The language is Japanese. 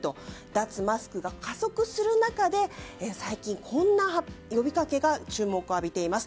脱マスクが加速する中で最近、こんな呼びかけが注目を浴びています。